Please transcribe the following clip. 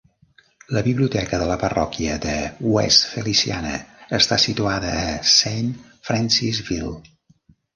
La Biblioteca de la Parròquia de West Feliciana està situada a Saint Francisville.